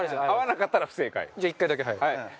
じゃあ１回だけはい。